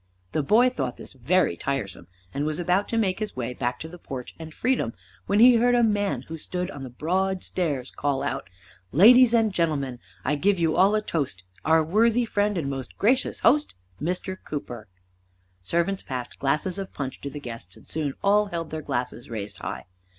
The boy thought this very tiresome, and was about to make his way back to the porch and freedom when he heard a man who stood on the broad stairs call out, "Ladies and gentlemen, I give you all a toast, our worthy friend and most gracious host, Mr. Cooper!" Servants passed glasses of punch to the guests and soon all held their glasses raised high.